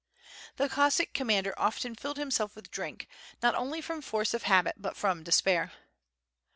The Cossack commander often filled himself with drink not only from force of habit but from despair.